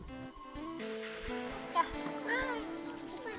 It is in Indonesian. setelah berhenti berhenti